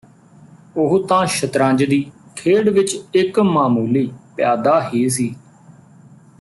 ਉਹ ਤਾਂ ਸ਼ਤਰੰਜ ਦੀ ਖੇਡ ਵਿੱਚ ਇਕ ਮਾਮੂਲੀ ਪਿਆਦਾ ਹੀ ਸੀ